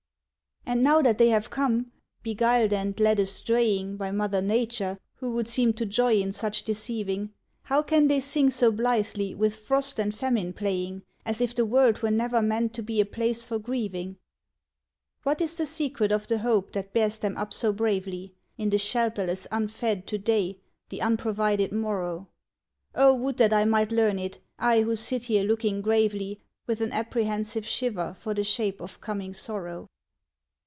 And now that they have come, beguiled and led a stray ing By Mother Nature, who would seem to joy in such deceiving, ON THE LAWN 119 How can they sing so blithely, with frost and famine playing, As if the world were never meant to be a place for grieving? What is the secret of the hope that bears them up so bravely In the shelterless unfed to day, the unprovided morrow ? Oh, would that I might learn it, I who sit here looking gravely With an apprehensive shiver for the shape of coming sorrow